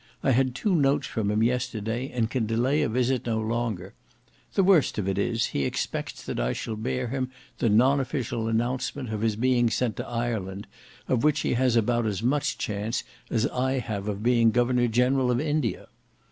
I had two notes from him yesterday, and can delay a visit no longer. The worst of it is, he expects that I shall bear him the non official announcement of his being sent to Ireland, of which he has about as much chance as I have of being Governor General of India.